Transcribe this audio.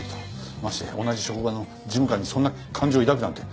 まして同じ職場の事務官にそんな感情を抱くなんて。